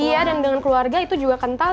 iya dan dengan keluarga itu juga kental